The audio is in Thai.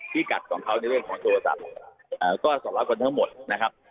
พี่กัดของเขาในเรื่องของโทรศัพท์ก็สารกันทั้งหมดนะครับ